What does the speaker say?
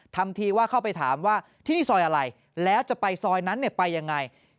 ทำทีว่าเข้าไปถามว่าที่นี่ซอยอะไรแล้วจะไปซอยนั้นไปยังไง